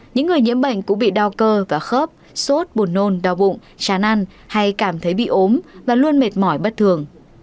những người nhiễm bệnh cũng bị đau cơ và khớp sốt buồn nôn đau bụng chán ăn hay cảm thấy bị ốm và luôn mệt mỏi bất thường